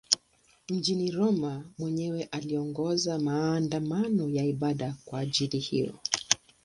Mjini Roma mwenyewe aliongoza maandamano ya ibada kwa ajili hiyo.